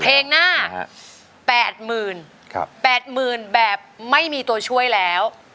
เพลงหน้าแปดหมื่นครับแปดหมื่นแบบไม่มีตัวช่วยแล้ว